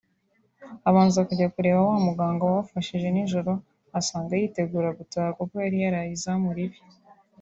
abanza kujya kureba wa muganga wabafashije nijoro asanga yitegura gutaha kuko yari yaraye izamu ribi